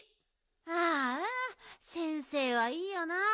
ああ先生はいいよな。